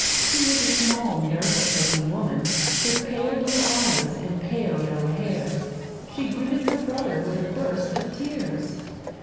She was a small, nervous looking woman with pale blue eyes and pale yellow hair. She greeted her brother with a burst of tears.